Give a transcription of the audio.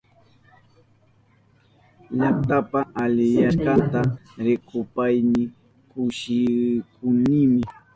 Llaktapa aliyashkanta rikushpayni kushikunimi.